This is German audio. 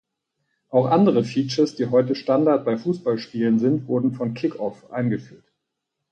Auch andere Features, die heute Standard bei Fußballspielen sind, wurden von "Kick Off" eingeführt.